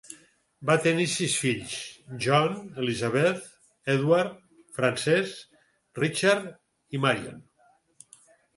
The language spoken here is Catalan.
Van tenir sis fills: John, Elizabeth, Edward, Frances, Richard i Marion.